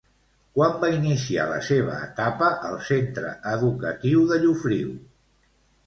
Quan va iniciar la seva etapa al centre educatiu de Llofriu?